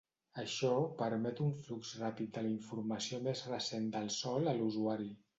Això permet un flux ràpid de la informació més recent del sòl a l'usuari.